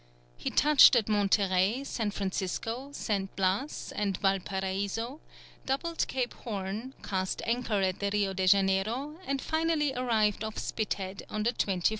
He touched at Monterey, San Francisco, San Blas, and Valparaiso, doubled Cape Horn, cast anchor at Rio de Janeiro, and finally arrived off Spithead on the 21st October.